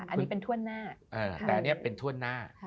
อันนี้เป็นถ้วนหน้า